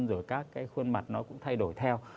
rồi các cái khuôn mặt nó cũng thay đổi theo